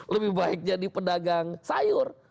lebih baik jadi pedagang sayur